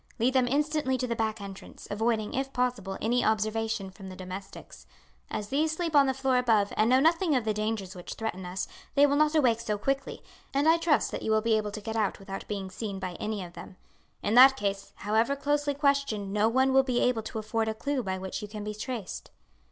Lead them instantly to the back entrance, avoiding, if possible, any observation from the domestics. As these sleep on the floor above, and know nothing of the dangers which threaten us, they will not awake so quickly, and I trust that you will be able to get out without being seen by any of them. In that case, however closely questioned no one will be able to afford a clue by which you can be traced."